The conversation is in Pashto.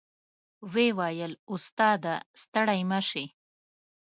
وې ویل استاد ه ستړی مه شې.